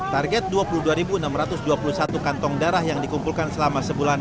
target dua puluh dua enam ratus dua puluh satu kantong darah yang dikumpulkan selama sebulan